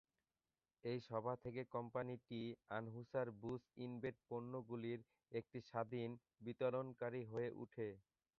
এই সভা থেকে কোম্পানিটি আনহুসার-বুশ ইনবেভ পণ্যগুলির একটি স্বাধীন বিতরণকারী হয়ে ওঠে।